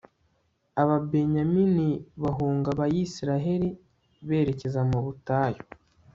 ababenyamini bahunga abayisraheli berekeza mu butayu